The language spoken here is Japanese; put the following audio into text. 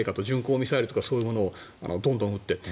巡航ミサイルとかそういうものをどんどん打って。